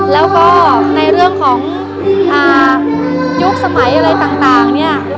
และก็ในในเรื่องของยุคสมัยอะไรต่างจากเรียก